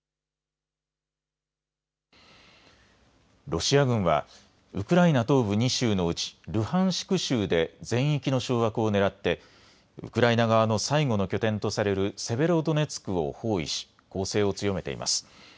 ロシア軍はウクライナ東部２州のうちルハンシク州で全域の掌握をねらってウクライナ側の最後の拠点とされるセベロドネツクを包囲し攻勢を強めています。